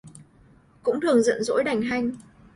Cũng thường giận dỗi đành hanh